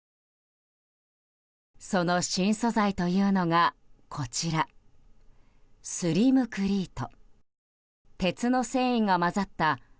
その新素材というのがこちら、スリムクリート。